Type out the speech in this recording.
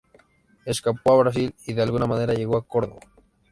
Escapó a Brasil y de alguna manera llegó a Córdoba.